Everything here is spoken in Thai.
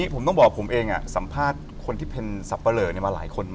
พร้อมพี่กลัวจะรับไหม